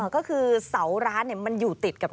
ก็คือเสาร้านมันอยู่ติดกับ